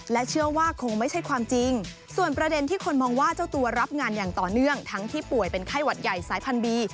เชื่อว่าคงไม่ใช่ความจริงส่วนประเด็นที่คนมองว่าเจ้าตัวรับงานอย่างต่อเนื่องทั้งที่ป่วยเป็นไข้หวัดใหญ่สายพันธี